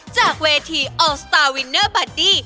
จากเวทีออลสตาร์วินเนอร์บัดดี้